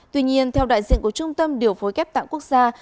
tuy nhiên theo đại diện của trung tâm điều phối ghép tạng quốc gia